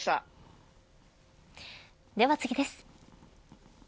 では次です。